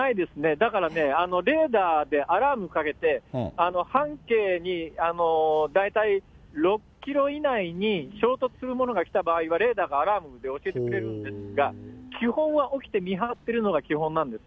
だからね、レーダーでアラームかけて、半径に大体６キロ以内に衝突するものが来た場合は、レーダーがアラームで教えてくれるんですが、基本は起きて見張ってるのが基本なんです。